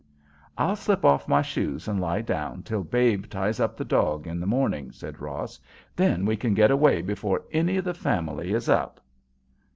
"I'll slip off my shoes and lie down till Babe ties up the dog in the morning," said Ross. "Then we can get away before any of the family is up."